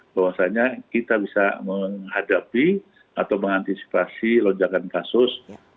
bahwasanya kita bisa menghadapi atau mengantisipasi lonjakan kasus kapanpun gitu pak